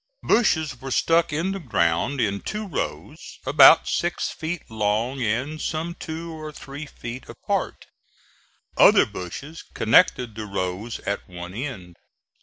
Bushes were stuck in the ground in two rows, about six feet long and some two or three feet apart; other bushes connected the rows at one end.